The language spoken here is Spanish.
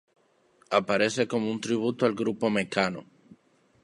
Aparece como un tributo al grupo Mecano.